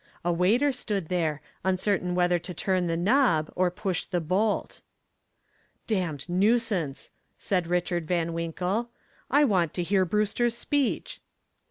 A waiter stood there, uncertain whether to turn the knob or push the bolt. "Damned nuisance!" said Richard Van Winkle. "I want to hear Brewster's speech."